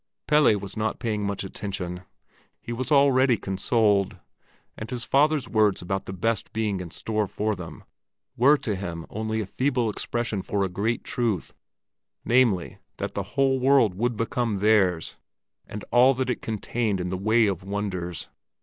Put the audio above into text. Pelle was not paying much attention. He was already consoled, and his father's words about the best being in store for them, were to him only a feeble expression for a great truth, namely, that the whole world would become theirs, with all that it contained in the way of wonders.